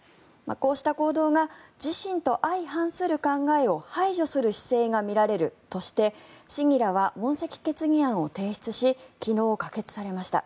こうした行動が自身と相反する考えを排除する姿勢が見られるとして市議らは問責決議案を提出し昨日、可決されました。